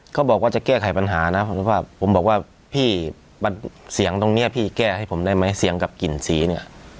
เขาบอกว่าจะแก้ไขปัญหานะผมสภาพผมบอกว่าพี่เสียงตรงนี้พี่แก้ให้ผมได้ไหมเสียงกับกลิ่นสีเนี่ย